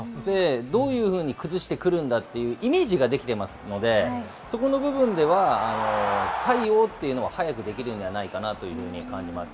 どういうふうに崩してくるんだというイメージが出来ていますので、そこの部分では、対応というのははやくできるんではないかなというふうに感じます。